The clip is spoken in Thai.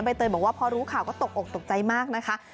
เตยบอกว่าพอรู้ข่าวก็ตกอกตกใจมากนะคะ